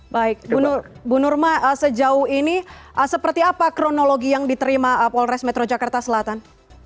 baik bu nurma sejauh ini seperti apa kronologi yang diterima polres metro jakarta selatan